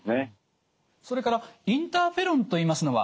それからインターフェロンといいますのは？